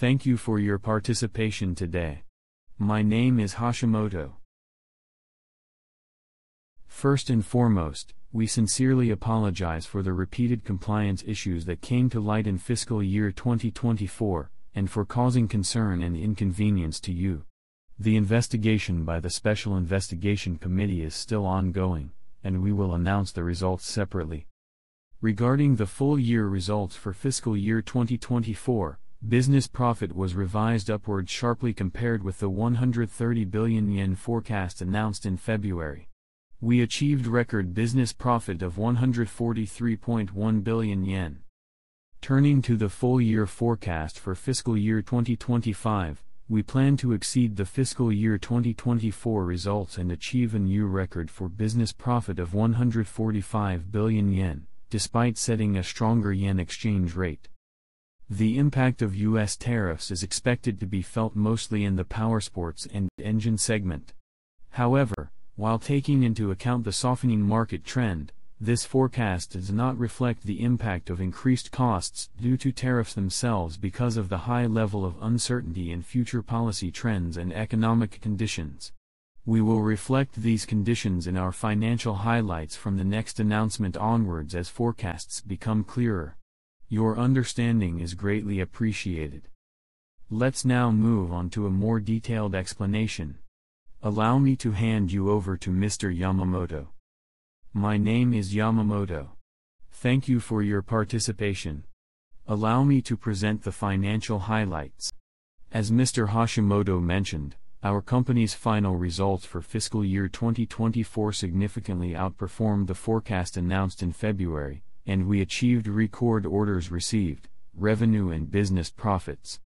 Thank you for your participation today. My name is Hashimoto. First and foremost, we sincerely apologize for the repeated compliance issues that came to light in fiscal year 2024 and for causing concern and inconvenience to you. The investigation by the Special Investigation Committee is still ongoing, and we will announce the results separately. Regarding the full-year results for fiscal year 2024, business profit was revised upward sharply compared with the 130 billion yen forecast announced in February. We achieved record business profit of 143.1 billion yen. Turning to the full-year forecast for fiscal year 2025, we plan to exceed the fiscal year 2024 results and achieve a new record for business profit of 145 billion yen, despite setting a stronger yen exchange rate. The impact of U.S. tariffs is expected to be felt mostly in the power sports and engine segment. However, while taking into account the softening market trend, this forecast does not reflect the impact of increased costs due to tariffs themselves because of the high level of uncertainty in future policy trends and economic conditions. We will reflect these conditions in our financial highlights from the next announcement onwards as forecasts become clearer. Your understanding is greatly appreciated. Let's now move on to a more detailed explanation. Allow me to hand you over to Mr. Yamamoto. My name is Yamamoto. Thank you for your participation. Allow me to present the financial highlights. As Mr. Hashimoto mentioned, our company's final results for fiscal year 2024 significantly outperformed the forecast announced in February, and we achieved record orders received, revenue, and business profits.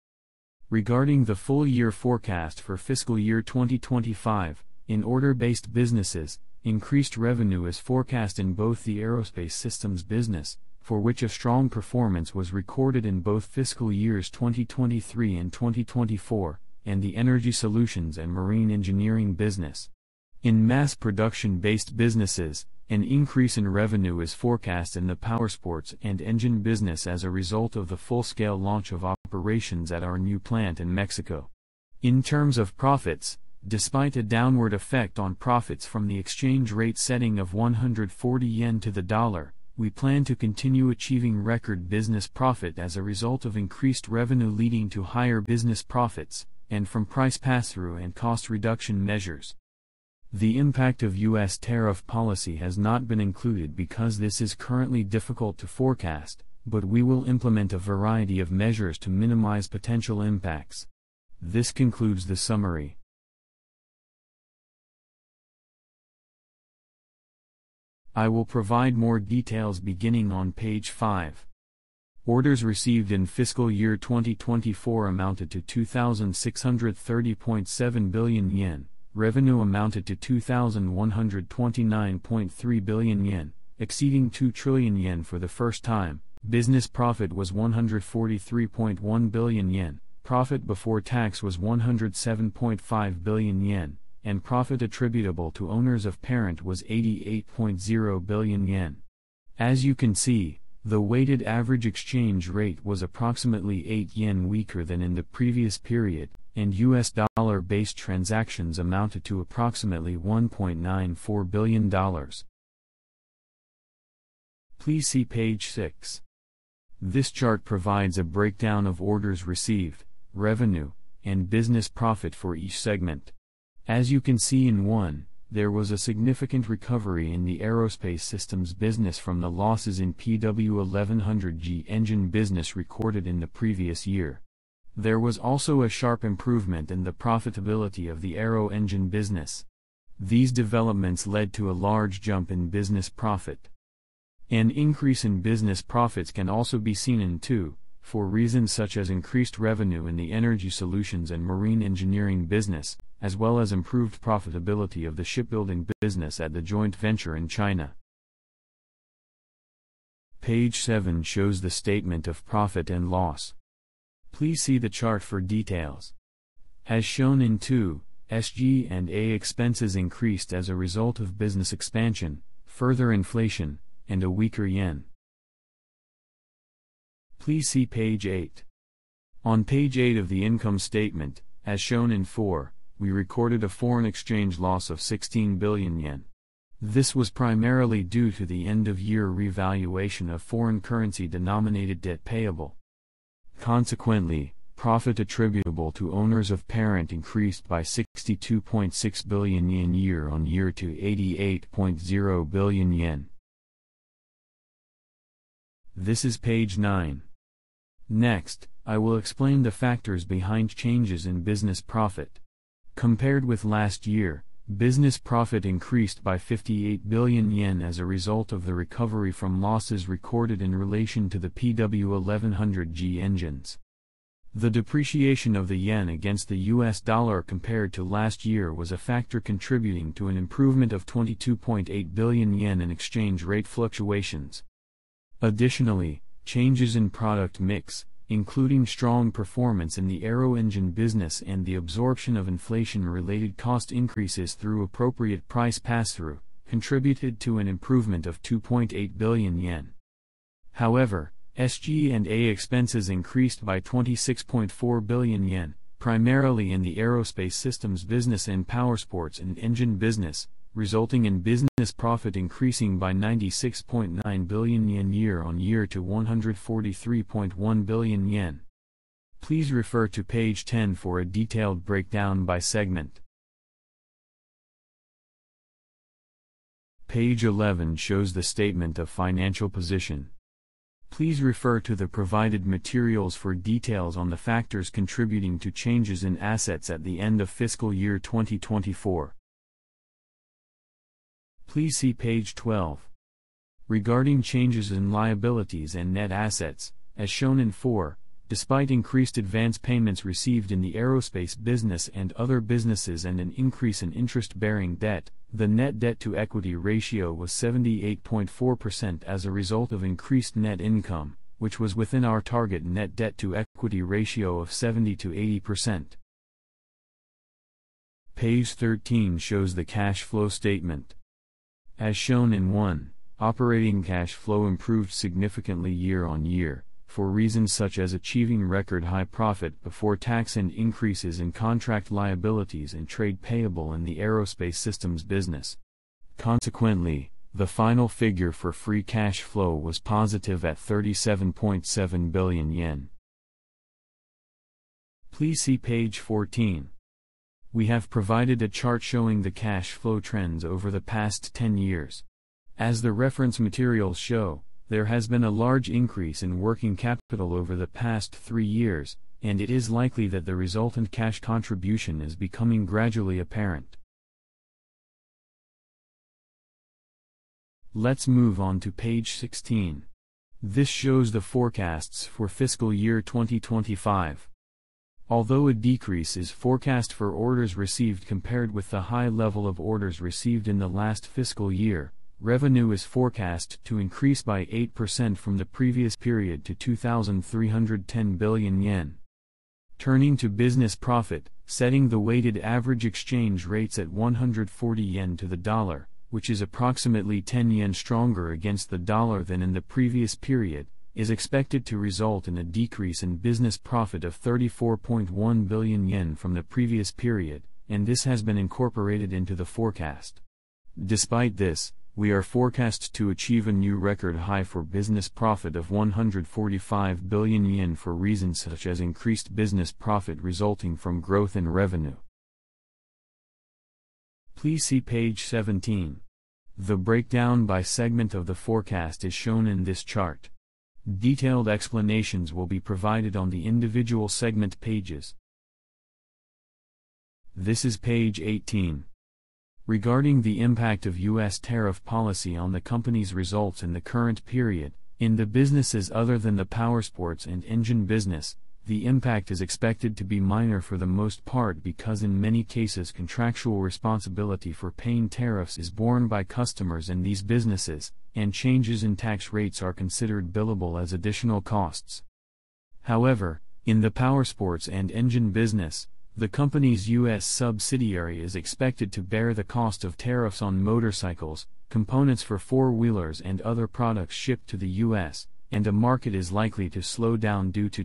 Regarding the full-year forecast for fiscal year 2025, in order-based businesses, increased revenue is forecast in both the Aerospace Systems business, for which a strong performance was recorded in both fiscal years 2023 and 2024, and the Energy Solution and Marine Engineering business. In mass production-based businesses, an increase in revenue is forecast in the Powersports & Engine business as a result of the full-scale launch of operations at our new plant in Mexico. In terms of profits, despite a downward effect on profits from the exchange rate setting of 140 yen to the dollar, we plan to continue achieving record business profit as a result of increased revenue leading to higher business profits and from price pass-through and cost reduction measures. The impact of U.S. Tariff policy has not been included because this is currently difficult to forecast, but we will implement a variety of measures to minimize potential impacts. This concludes the summary. I will provide more details beginning on page five. Orders received in fiscal year 2024 amounted to 2,630.7 billion yen, revenue amounted to 2,129.3 billion yen, exceeding 2 trillion yen for the first time. Business profit was 143.1 billion yen, profit before tax was 107.5 billion yen, and profit attributable to owners of parent was 88.0 billion yen. As you can see, the weighted average exchange rate was approximately 8 yen weaker than in the previous period, and U.S. dollar-based transactions amounted to approximately $1.94 billion. Please see page six. This chart provides a breakdown of orders received, revenue, and business profit for each segment. As you can see in one, there was a significant recovery in the Aerospace Systems business from the losses in PW1100G engine business recorded in the previous year. There was also a sharp improvement in the profitability of the aero engine business. These developments led to a large jump in business profit. An increase in business profit can also be seen in two, for reasons such as increased revenue in the Energy Solution and Marine Engineering business, as well as improved profitability of the shipbuilding business at the joint venture in China. Page seven shows the statement of profit and loss. Please see the chart for details. As shown in two, SG&A expenses increased as a result of business expansion, further inflation, and a weaker yen. Please see page eight. On page eight of the income statement, as shown in four, we recorded a foreign exchange loss of 16 billion yen. This was primarily due to the end-of-year revaluation of foreign currency-denominated debt payable. Consequently, profit attributable to owners of parent increased by 62.6 billion yen year-on-year to 88.0 billion yen. This is page nine. Next, I will explain the factors behind changes in business profit. Compared with last year, business profit increased by 58 billion yen as a result of the recovery from losses recorded in relation to the PW1100G engines. The depreciation of the yen against the U.S. dollar compared to last year was a factor contributing to an improvement of 22.8 billion yen in exchange rate fluctuations. Additionally, changes in product mix, including strong performance in the aero engine business and the absorption of inflation-related cost increases through appropriate price pass-through, contributed to an improvement of 2.8 billion yen. However, SG&A expenses increased by 26.4 billion yen, primarily in the Aerospace Systems business and Powersports & Engine business, resulting in business profit increasing by 96.9 billion yen year-on-year to 143.1 billion yen. Please refer to page 10 for a detailed breakdown by segment. Page 11 shows the statement of financial position. Please refer to the provided materials for details on the factors contributing to changes in assets at the end of fiscal year 2024. Please see page 12. Regarding changes in liabilities and net assets, as shown in four, despite increased advance payments received in the aerospace business and other businesses and an increase in interest-bearing debt, the net debt-to-equity ratio was 78.4% as a result of increased net income, which was within our target net debt-to-equity ratio of 70-80%. Page 13 shows the cash flow statement. As shown in one, operating cash flow improved significantly year-on-year, for reasons such as achieving record high profit before tax and increases in contract liabilities and trade payable in the Aerospace Systems business. Consequently, the final figure for free cash flow was positive at 37.7 billion yen. Please see page 14. We have provided a chart showing the cash flow trends over the past 10 years. As the reference materials show, there has been a large increase in working capital over the past three years, and it is likely that the resultant cash contribution is becoming gradually apparent. Let's move on to page 16. This shows the forecasts for fiscal year 2025. Although a decrease is forecast for orders received compared with the high level of orders received in the last fiscal year, revenue is forecast to increase by 8% from the previous period to 2,310 billion yen. Turning to business profit, setting the weighted average exchange rates at 140 yen to the dollar, which is approximately 10 yen stronger against the dollar than in the previous period, is expected to result in a decrease in business profit of 34.1 billion yen from the previous period, and this has been incorporated into the forecast. Despite this, we are forecast to achieve a new record high for business profit of 145 billion yen for reasons such as increased business profit resulting from growth in revenue. Please see page 17. The breakdown by segment of the forecast is shown in this chart. Detailed explanations will be provided on the individual segment pages. This is page 18. Regarding the impact of U.S. Tariff policy on the company's results in the current period, in the businesses other than the Power Sports & Engine business, the impact is expected to be minor for the most part because in many cases contractual responsibility for paying tariffs is borne by customers in these businesses, and changes in tax rates are considered billable as additional costs. However, in the Power Sports & Engine business, the company's U.S. subsidiary is expected to bear the cost of tariffs on motorcycles, components for four-wheelers, and other products shipped to the U.S., and the market is likely to slow down due to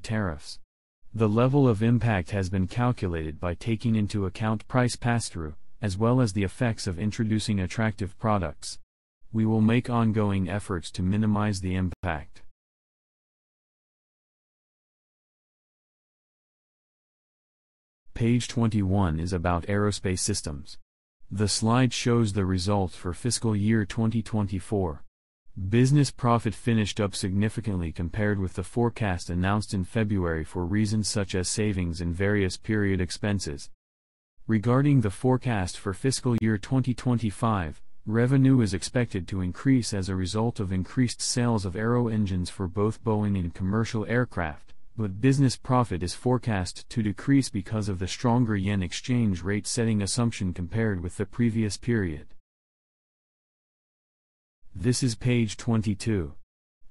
tariffs. The level of impact has been calculated by taking into account price pass-through, as well as the effects of introducing attractive products. We will make ongoing efforts to minimize the impact. Page 21 is about Aerospace Systems. The slide shows the results for fiscal year 2024. Business profit finished up significantly compared with the forecast announced in February for reasons such as savings in various period expenses. Regarding the forecast for fiscal year 2025, revenue is expected to increase as a result of increased sales of aero engines for both Boeing and commercial aircraft, but business profit is forecast to decrease because of the stronger yen exchange rate setting assumption compared with the previous period. This is page 22.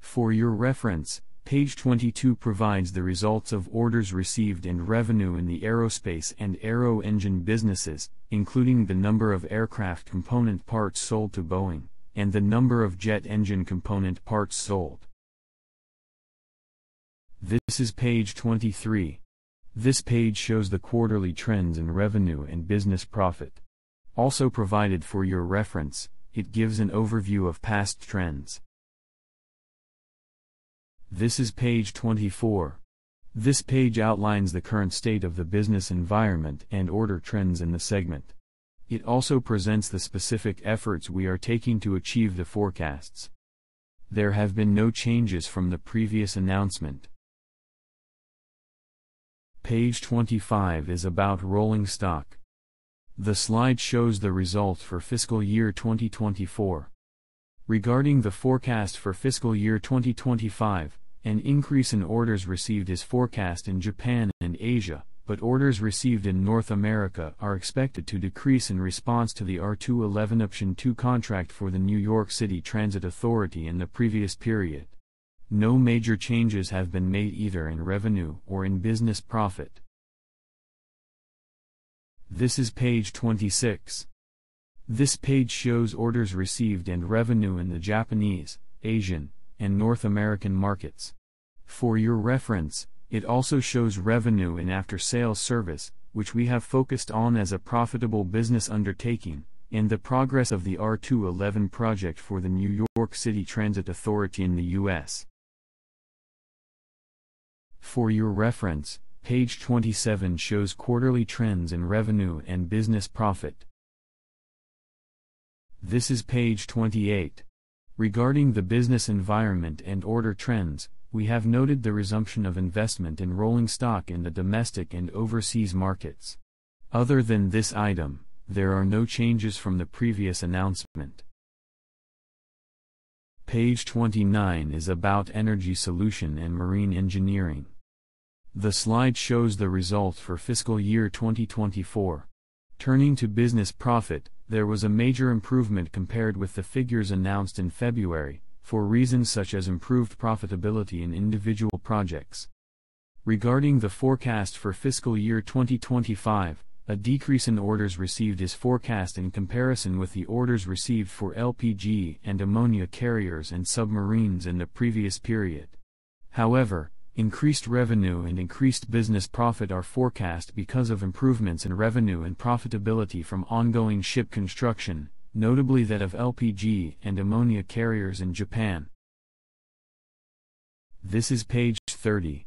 For your reference, page 22 provides the results of orders received in revenue in the aerospace and aero engine businesses, including the number of aircraft component parts sold to Boeing and the number of jet engine component parts sold. This is page 23. This page shows the quarterly trends in revenue and business profit. Also provided for your reference, it gives an overview of past trends. This is page 24. This page outlines the current state of the business environment and order trends in the segment. It also presents the specific efforts we are taking to achieve the forecasts. There have been no changes from the previous announcement. Page 25 is about rolling stock. The slide shows the results for fiscal year 2024. Regarding the forecast for fiscal year 2025, an increase in orders received is forecast in Japan and Asia, but orders received in North America are expected to decrease in response to the R211 Option two contract for the New York City Transit Authority in the previous period. No major changes have been made either in revenue or in business profit. This is page 26. This page shows orders received in revenue in the Japanese, Asian, and North American markets. For your reference, it also shows revenue in after-sales service, which we have focused on as a profitable business undertaking, and the progress of the R211 project for the New York City Transit Authority in the U.S. For your reference, page 27 shows quarterly trends in revenue and business profit. This is page 28. Regarding the business environment and order trends, we have noted the resumption of investment in rolling stock in the domestic and overseas markets. Other than this item, there are no changes from the previous announcement. Page 29 is about Energy Solution and Marine Engineering. The slide shows the results for fiscal year 2024. Turning to business profit, there was a major improvement compared with the figures announced in February, for reasons such as improved profitability in individual projects. Regarding the forecast for fiscal year 2025, a decrease in orders received is forecast in comparison with the orders received for LPG and ammonia carriers and submarines in the previous period. However, increased revenue and increased business profit are forecast because of improvements in revenue and profitability from ongoing ship construction, notably that of LPG and ammonia carriers in Japan. This is page 30.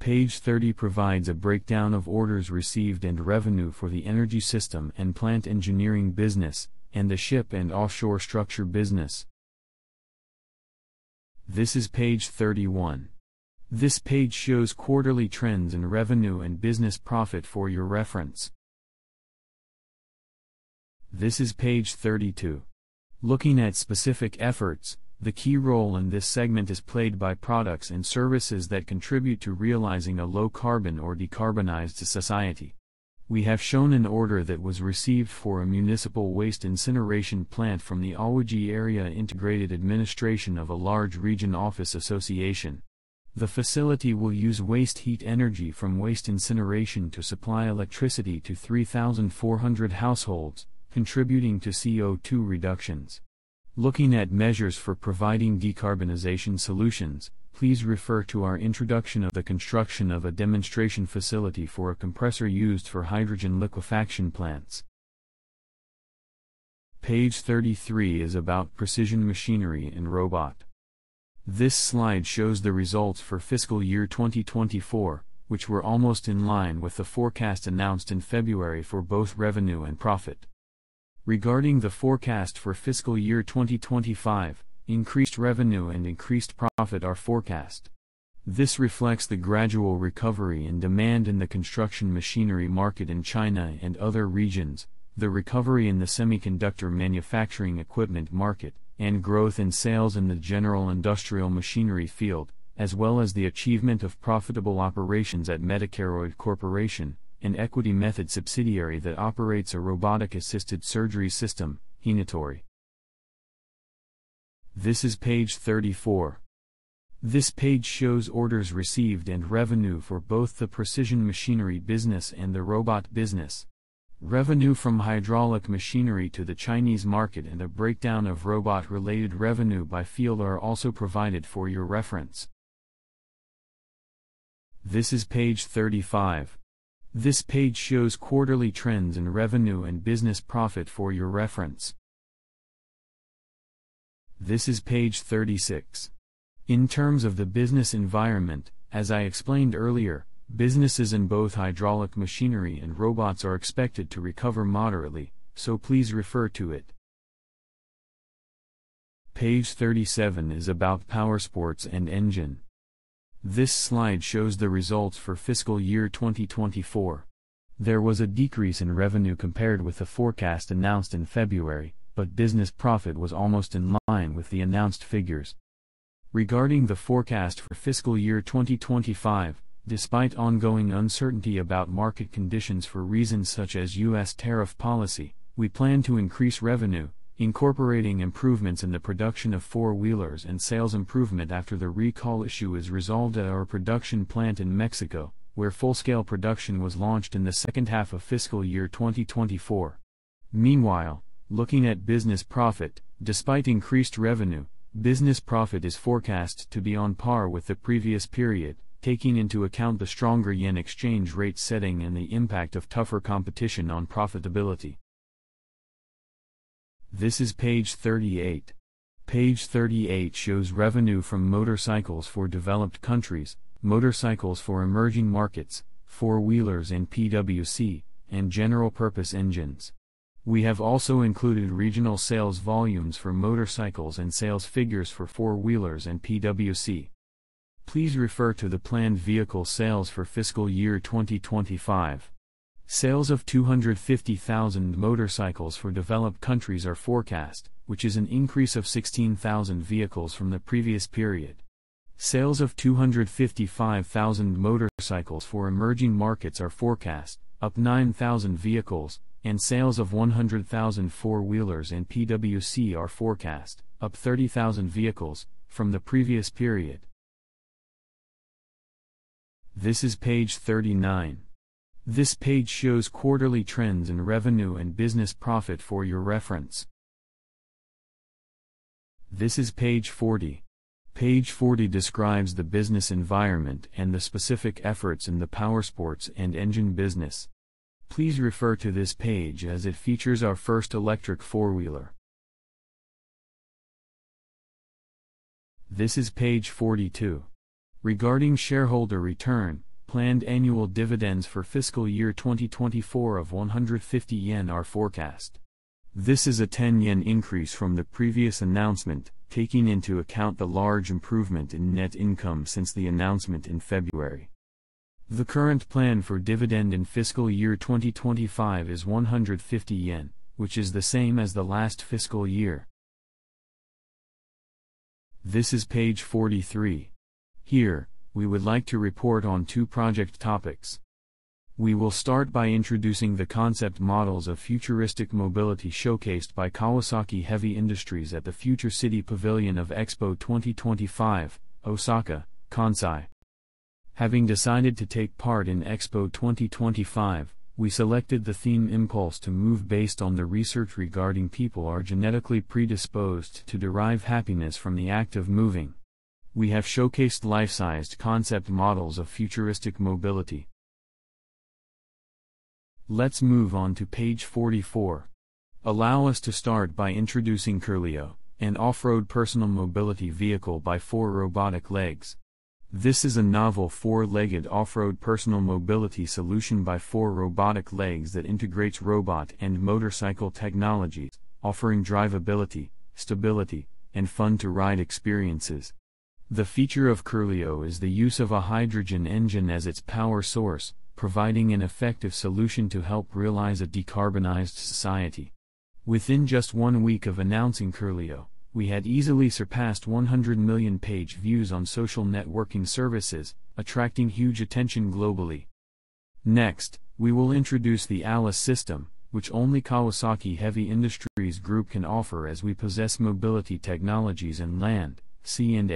Page 30 provides a breakdown of orders received and revenue for the energy system and plant engineering business, and the ship and offshore structure business. This is page 31. This page shows quarterly trends in revenue and business profit for your reference. This is page 32. Looking at specific efforts, the key role in this segment is played by products and services that contribute to realizing a low-carbon or decarbonized society. We have shown an order that was received for a municipal waste incineration plant from the Awaji Area Integrated Administration of a large region office association. The facility will use waste heat energy from waste incineration to supply electricity to 3,400 households, contributing to CO2 reductions. Looking at measures for providing decarbonization solutions, please refer to our introduction of the construction of a demonstration facility for a compressor used for hydrogen liquefaction plants. Page 33 is about Precision Machinery and Robot. This slide shows the results for fiscal year 2024, which were almost in line with the forecast announced in February for both revenue and profit. Regarding the forecast for fiscal year 2025, increased revenue and increased profit are forecast. This reflects the gradual recovery in demand in the construction machinery market in China and other regions, the recovery in the semiconductor manufacturing equipment market, and growth in sales in the general industrial machinery field, as well as the achievement of profitable operations at Medicaroid Corporation, an equity-method subsidiary that operates a robotic-assisted surgery system, Hinotori. This is page 34. This page shows orders received and revenue for both the precision machinery business and the robot business. Revenue from hydraulic machinery to the Chinese market and the breakdown of robot-related revenue by field are also provided for your reference. This is page 35. This page shows quarterly trends in revenue and business profit for your reference. This is page 36. In terms of the business environment, as I explained earlier, businesses in both hydraulic machinery and robots are expected to recover moderately, so please refer to it. Page 37 is about power sports and engine. This slide shows the results for fiscal year 2024. There was a decrease in revenue compared with the forecast announced in February, but business profit was almost in line with the announced figures. Regarding the forecast for fiscal year 2025, despite ongoing uncertainty about market conditions for reasons such as U.S. tariff policy, we plan to increase revenue, incorporating improvements in the production of four-wheelers and sales improvement after the recall issue is resolved at our production plant in Mexico, where full-scale production was launched in the second half of fiscal year 2024. Meanwhile, looking at business profit, despite increased revenue, business profit is forecast to be on par with the previous period, taking into account the stronger yen exchange rate setting and the impact of tougher competition on profitability. This is page 38. Page 38 shows revenue from motorcycles for developed countries, motorcycles for emerging markets, four-wheelers and PWC, and general-purpose engines. We have also included regional sales volumes for motorcycles and sales figures for four-wheelers and PWC. Please refer to the planned vehicle sales for fiscal year 2025. Sales of 250,000 motorcycles for developed countries are forecast, which is an increase of 16,000 vehicles from the previous period. Sales of 255,000 motorcycles for emerging markets are forecast, up 9,000 vehicles, and sales of 100,000 four-wheelers and PWC are forecast, up 30,000 vehicles, from the previous period. This is page 39. This page shows quarterly trends in revenue and business profit for your reference. This is page 40. Page 40 describes the business environment and the specific efforts in the power sports and engine business. Please refer to this page as it features our first electric four-wheeler. This is page 42. Regarding shareholder return, planned annual dividends for fiscal year 2024 of 150 yen are forecast. This is a 10 yen increase from the previous announcement, taking into account the large improvement in net income since the announcement in February. The current plan for dividend in fiscal year 2025 is 150 yen, which is the same as the last fiscal year. This is page 43. Here, we would like to report on two project topics. We will start by introducing the concept models of futuristic mobility showcased by Kawasaki Heavy Industries at the Future City Pavilion of Expo 2025, Osaka, Kansai. Having decided to take part in Expo 2025, we selected the theme "Impulse to Move" based on the research regarding people who are genetically predisposed to derive happiness from the act of moving. We have showcased life-sized concept models of futuristic mobility. Let's move on to page 44. Allow us to start by introducing CORLEO, an off-road personal mobility vehicle by four robotic legs. This is a novel four-legged off-road personal mobility solution by four robotic legs that integrates robot and motorcycle technologies, offering drivability, stability, and fun-to-ride experiences. The feature of CORLEO is the use of a hydrogen engine as its power source, providing an effective solution to help realize a decarbonized society. Within just one week of announcing CORLEO, we had easily surpassed 100 million page views on social networking services, attracting huge attention globally. Next, we will introduce the ALICE system, which only Kawasaki Heavy Industries Group can offer as we possess mobility technologies in land, sea, and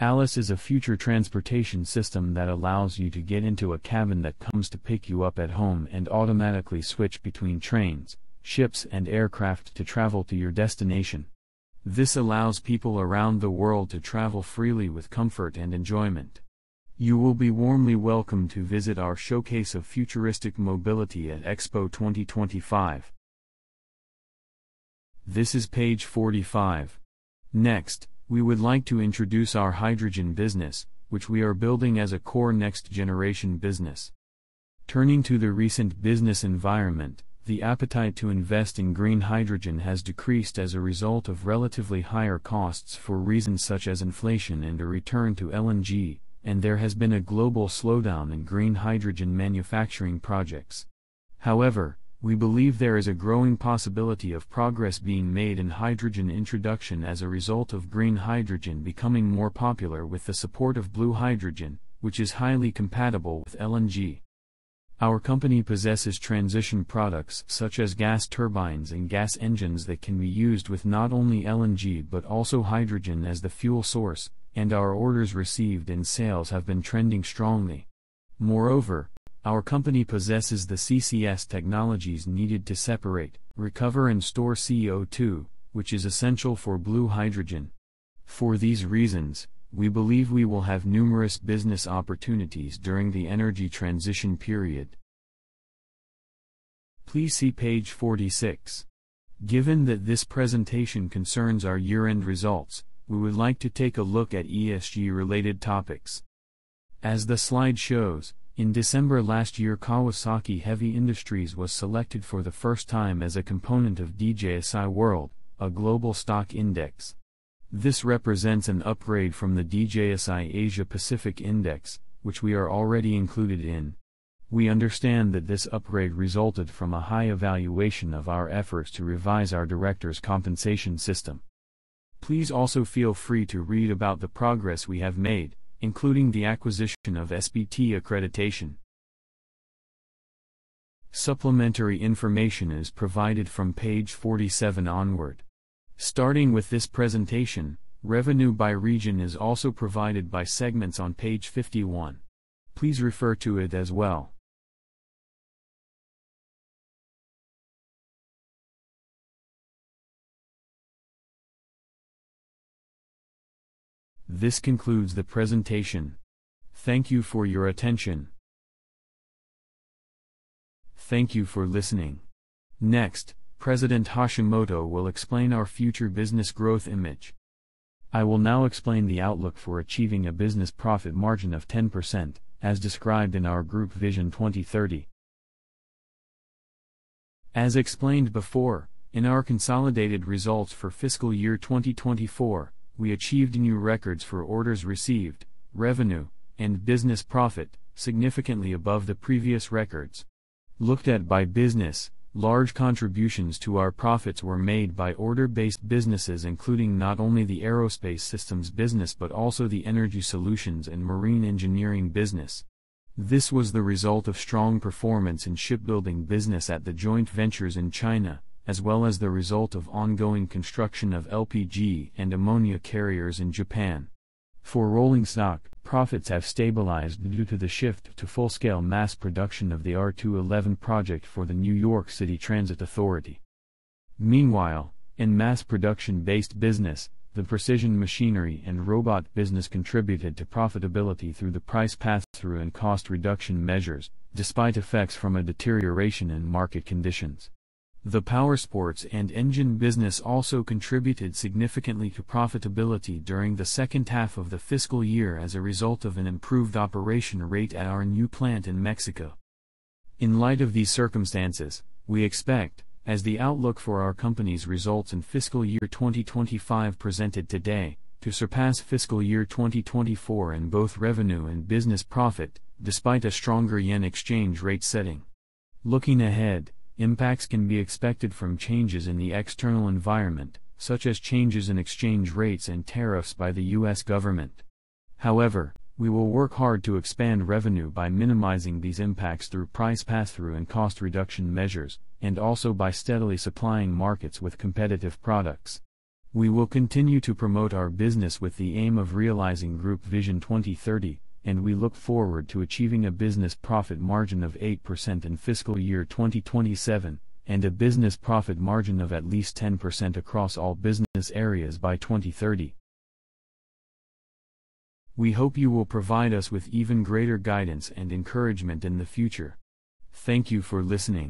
air. ALICE is a future transportation system that allows you to get into a cabin that comes to pick you up at home and automatically switch between trains, ships, and aircraft to travel to your destination. This allows people around the world to travel freely with comfort and enjoyment. You will be warmly welcome to visit our showcase of futuristic mobility at Expo 2025. This is page 45. Next, we would like to introduce our hydrogen business, which we are building as a core next-generation business. Turning to the recent business environment, the appetite to invest in green hydrogen has decreased as a result of relatively higher costs for reasons such as inflation and a return to LNG, and there has been a global slowdown in green hydrogen manufacturing projects. However, we believe there is a growing possibility of progress being made in hydrogen introduction as a result of green hydrogen becoming more popular with the support of blue hydrogen, which is highly compatible with LNG. Our company possesses transition products such as gas turbines and gas engines that can be used with not only LNG but also hydrogen as the fuel source, and our orders received and sales have been trending strongly. Moreover, our company possesses the CCS technologies needed to separate, recover, and store CO2, which is essential for blue hydrogen. For these reasons, we believe we will have numerous business opportunities during the energy transition period. Please see page 46. Given that this presentation concerns our year-end results, we would like to take a look at ESG-related topics. As the slide shows, in December last year, Kawasaki Heavy Industries was selected for the first time as a component of DJSI World, a global stock index. This represents an upgrade from the DJSI Asia-Pacific Index, which we are already included in. We understand that this upgrade resulted from a high evaluation of our efforts to revise our director's compensation system. Please also feel free to read about the progress we have made, including the acquisition of SBT accreditation. Supplementary information is provided from page 47 onward. Starting with this presentation, revenue by region is also provided by segments on page 51. Please refer to it as well. This concludes the presentation. Thank you for your attention. Thank you for listening. Next, President Hashimoto will explain our future business growth image. I will now explain the outlook for achieving a business profit margin of 10%, as described in our Group Vision 2030. As explained before, in our consolidated results for fiscal year 2024, we achieved new records for orders received, revenue, and business profit, significantly above the previous records. Looked at by business, large contributions to our profits were made by order-based businesses including not only the Aerospace Systems business but also the Energy Solution and Marine Engineering business. This was the result of strong performance in shipbuilding business at the joint ventures in China, as well as the result of ongoing construction of LPG and ammonia carriers in Japan. For Rolling Stock, profits have stabilized due to the shift to full-scale mass production of the R211 project for the New York City Transit Authority. Meanwhile, in mass production-based business, the Precision Machinery and Robot business contributed to profitability through the price pass-through and cost reduction measures, despite effects from a deterioration in market conditions. The Powersports & Engine business also contributed significantly to profitability during the second half of the fiscal year as a result of an improved operation rate at our new plant in Mexico. In light of these circumstances, we expect, as the outlook for our company's results in fiscal year 2025 presented today, to surpass fiscal year 2024 in both revenue and business profit, despite a stronger yen exchange rate setting. Looking ahead, impacts can be expected from changes in the external environment, such as changes in exchange rates and tariffs by the U.S. government. However, we will work hard to expand revenue by minimizing these impacts through price pass-through and cost reduction measures, and also by steadily supplying markets with competitive products. We will continue to promote our business with the aim of realizing Group Vision 2030, and we look forward to achieving a business profit margin of 8% in fiscal year 2027, and a business profit margin of at least 10% across all business areas by 2030. We hope you will provide us with even greater guidance and encouragement in the future. Thank you for listening.